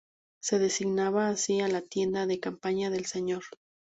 Se designaba así a la tienda de campaña del señor.